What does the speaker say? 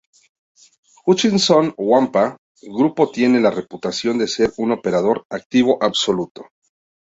Hutchison Whampoa grupo tiene la reputación de ser un operador activo astuto.